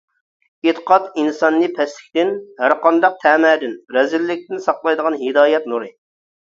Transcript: ئېتىقاد ئىنساننى پەسلىكتىن، ھەرقانداق تەمەدىن، رەزىللىكتىن ساقلايدىغان ھىدايەت نۇرى!